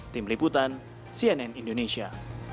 tim liputan cnn indonesia